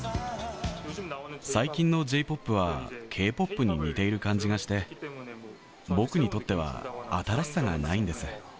最近のＪーＰＯＰは、Ｋ−ＰＯＰに似ている感じがして、僕にとっては新しさがないんです。